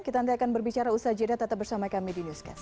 kita nanti akan berbicara usaha jeda tetap bersama kami di newscast